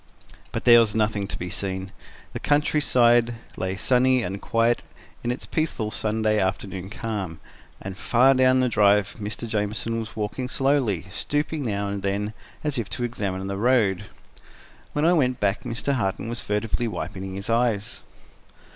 But there was nothing to be seen. The countryside lay sunny and quiet in its peaceful Sunday afternoon calm, and far down the drive Mr. Jamieson was walking slowly, stooping now and then, as if to examine the road. When I went back, Mr. Harton was furtively wiping his eyes.